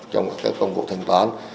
trong các công cụ thanh toán